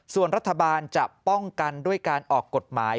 ส่วนรัฐบาลจะป้องกันด้วยการออกกฎหมาย